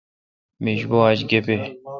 بیش بو آج گپے°۔